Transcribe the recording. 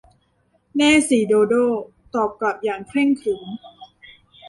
แน่สิ โดโด้ ตอบกลับอย่างเคร่งขรึม